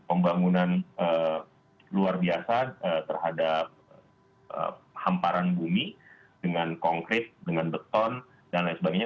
pembangunan luar biasa terhadap hamparan bumi dengan konkret dengan beton dan lain sebagainya